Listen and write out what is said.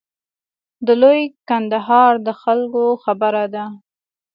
د لوی کندهار د خلکو خبره ده.